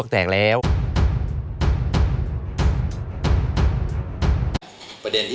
กลับมาที่นี่